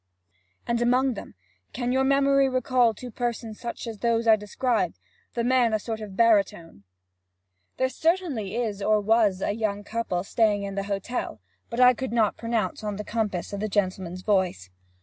'And among them can your memory recall two persons such as those I describe? the man a sort of baritone?' 'There certainly is or was a young couple staying in the hotel; but I could not pronounce on the compass of the gentleman's voice.'